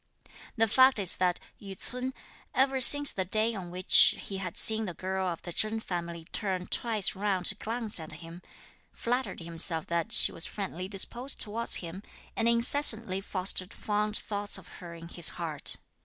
The fact is that Yü ts'un, ever since the day on which he had seen the girl of the Chen family turn twice round to glance at him, flattered himself that she was friendly disposed towards him, and incessantly fostered fond thoughts of her in his heart.